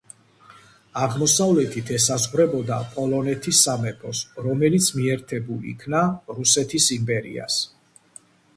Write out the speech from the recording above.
აღმოსავლეთით ესაზღვრებოდა პოლონეთის სამეფოს, რომელიც მიერთებულ იქნა რუსეთის იმპერიას.